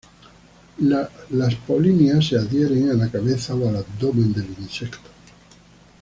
Las polinia se adhieren a la cabeza o al abdomen del insecto.